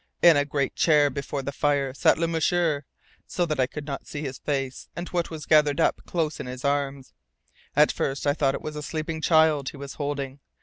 In a great chair before the fire sat Le M'sieur, so that I could see his face and what was gathered up close in his arms. At first I thought it was a sleeping child he was holding.